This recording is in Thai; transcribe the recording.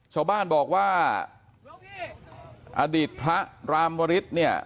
ชาวบ้านบอกว่าอดีตพระรามวริสเนี่ย